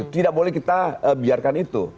tidak boleh kita biarkan itu